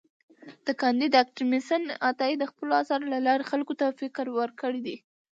کانديد اکاډميسن عطايي د خپلو اثارو له لارې خلکو ته فکر ورکړی دی.